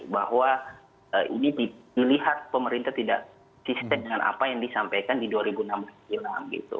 bahwa ini dilihat pemerintah tidak sistem dengan apa yang disampaikan di dua ribu enam belas silam gitu